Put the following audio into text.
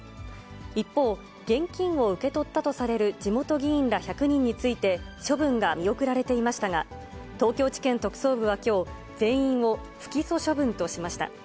一方、現金を受け取ったとされる地元議員ら１００人について処分が見送られていましたが、東京地検特捜部はきょう、全員を不起訴処分としました。